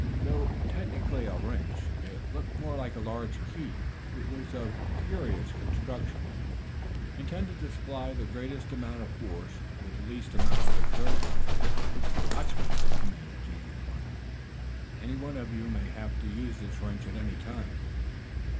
Though technically a wrench, it looked more like a very large key. It was of curious construction, intended to supply the greatest amount of force with the least amount of exertion. "Watch me," commanded Jacob Farnum. "Any one of you may have to use this wrench at any time."